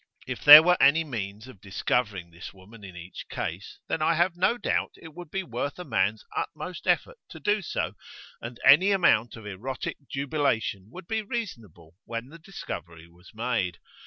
If there were any means of discovering this woman in each case, then I have no doubt it would be worth a man's utmost effort to do so, and any amount of erotic jubilation would be reasonable when the discovery was made.